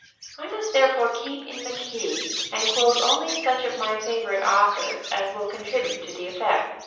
I must therefore keep in the key and quote only such of my favorite authors as will contribute to the effect.